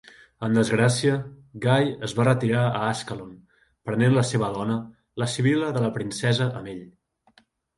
En desgràcia, Guy es va retirar a Ascalon, prenent la seva dona la Sibylla de la princesa amb ell.